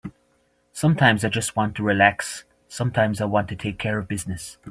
Sometimes I just want to relax, sometimes I want to take care of business.